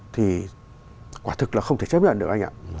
thì quả thực là không thể chấp nhận được anh ạ